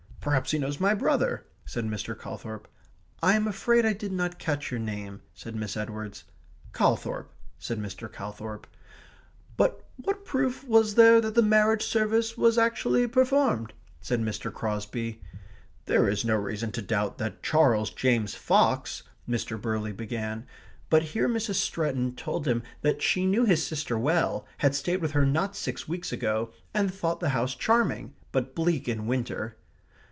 "Perhaps he knows my brother?" said Mr. Calthorp. "I am afraid I did not catch your name," said Miss Edwards. "Calthorp," said Mr. Calthorp. "But what proof was there that the marriage service was actually performed?" said Mr. Crosby. "There is no reason to doubt that Charles James Fox ..." Mr. Burley began; but here Mrs. Stretton told him that she knew his sister well; had stayed with her not six weeks ago; and thought the house charming, but bleak in winter.